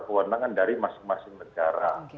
kewenangan dari masing masing negara